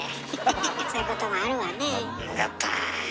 そういうこともあるわね。グッバイ。